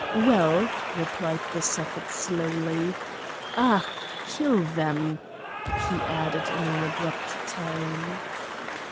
"Well?" replied the Suffet slowly. "Ah! kill them!" he added in an abrupt tone.